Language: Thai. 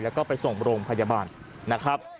แล้วก็ไปส่งโรงพยาบาลนะครับ